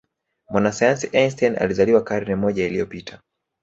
mwanasayansi einstein alizaliwa karne moja iliyopita